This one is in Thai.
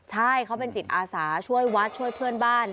ใช่เขาเป็นจิตอาสาช่วยวัดช่วยเพื่อนบ้าน